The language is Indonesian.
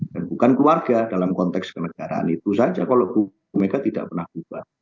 dan bukan keluarga dalam konteks kenegaraan itu saja kalau bu mega tidak pernah berubah